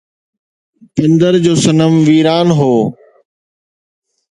پندر جو صنم ويران هو